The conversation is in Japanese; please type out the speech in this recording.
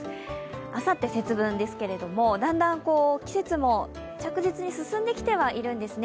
あさって節分ですけど、だんだん季節も着実に進んできているんですね。